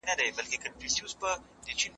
زه اوږده وخت کتابونه وړم وم؟